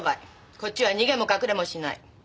こっちは逃げも隠れもしない。